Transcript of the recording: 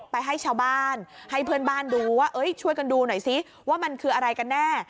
ไปให้ชาวบ้านให้เพื่อนบ้านดูว่าช่วยกันดูหน่อยซิว่ามันคืออะไรกันแน่